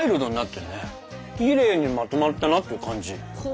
きれいにまとまったなっていう感じ。